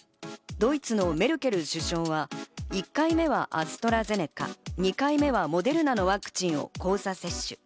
ドイツのメルケル首相は１回目はアストラゼネカ、２回目はモデルナのワクチンを交差接種。